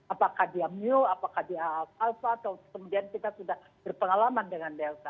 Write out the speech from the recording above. apakah dia mu apakah dia alpha atau kemudian kita sudah berpengalaman dengan delta